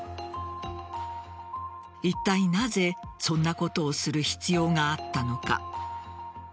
いったいなぜそんなことをする必要があったのか。